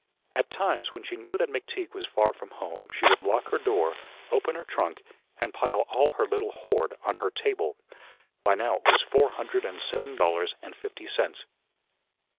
At times, when she knew that McTeague was far from home, she would lock her door, open her trunk, and pile all her little hoard on her table. By now it was four hundred and seven dollars and fifty cents.